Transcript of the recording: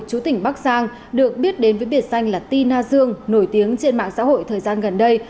chủ tỉnh bắc giang được biết đến với biệt danh là ti na dương nổi tiếng trên mạng xã hội thời gian gần đây